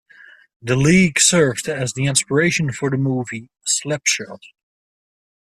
The league served as the inspiration for the movie "Slap Shot".